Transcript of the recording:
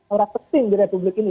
orang penting di republik ini